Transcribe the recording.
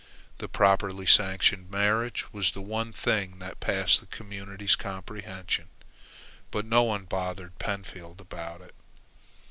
The properly sanctioned marriage was the one thing that passed the community's comprehension. But no one bothered Pentfield about it.